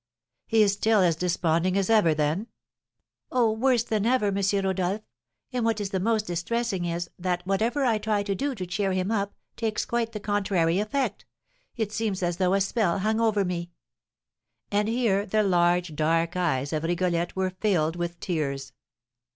"He is still as desponding as ever, then?" "Oh, worse than ever, M. Rodolph. And what is the most distressing is, that, whatever I try to do to cheer him up, takes quite the contrary effect; it seems as though a spell hung over me!" And here the large, dark eyes of Rigolette were filled with tears.